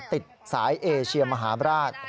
ติดสายเอเชียมหาบราช